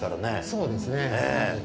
そうですね。